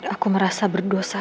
aku merasa berdosa